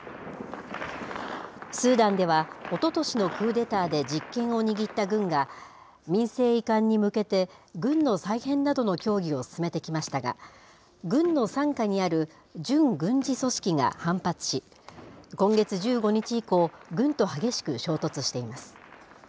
スーダンでは、おととしのクーデターで実権を握った軍が、民政移管に向けて軍の再編などの協議を進めてきましたが、軍の傘下にある準軍事組織が反発し、今月１５日以降、軍と激しく衝突しています。